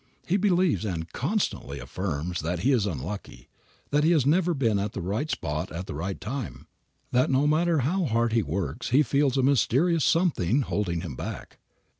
He believes, and constantly affirms that he is unlucky, that he has never been at the right spot at the right time, that no matter how hard he works he feels a mysterious something holding him back.